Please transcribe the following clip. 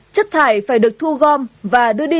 chất thải phải được thu gom và đưa đi